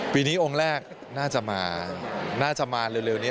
ปีนี้มิองค์แรกน่าจะมาเร็วเนี่ย